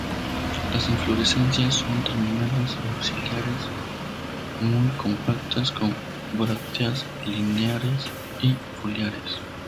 Las inflorescencias son terminales o axilares, muy compactas, con brácteas lineares y foliares.